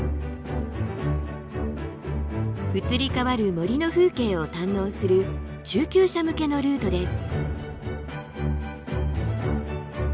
移り変わる森の風景を堪能する中級者向けのルートです。